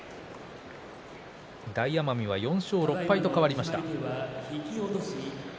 大奄美は４勝６敗と変わりました。